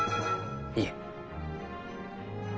いえ。